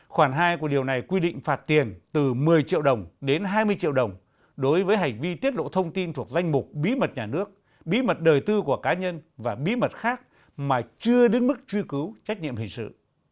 khoảng hai của điều này quy định phạt tiền từ một mươi triệu đồng đến hai mươi triệu đồng đối với hành vi tiết lộ thông tin thuộc danh mục bí mật nhà nước bí mật đời tư của cá nhân và bí mật khác mà chưa đến mức truy cứu trách nhiệm hình sự